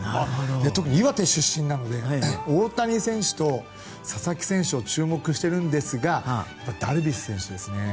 特に岩手出身なので大谷選手と佐々木選手を注目しているんですがダルビッシュ選手ですね。